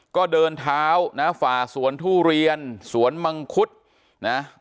ก็เดินเท้านะฝ่าสวนทุเรียนสวนมังคุดนะ